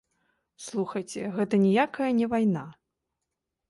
Слухайце, гэта ніякая не вайна.